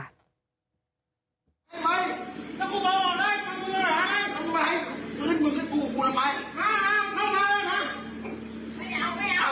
โอ้โห